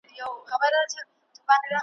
يو په بل مي انسانان دي قتل كړي `